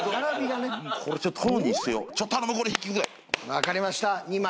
わかりました２枚。